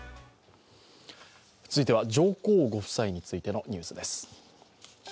続いては、上皇ご夫妻についてのニュースです。